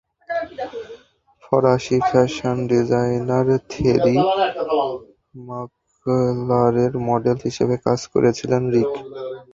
ফরাসি fashion designer Thierry মাগলারের model হিসেবে কাজ করেছিলেন রিক।